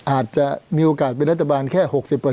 อาจจะมีโอกาสเป็นรัฐบาลแค่๖๐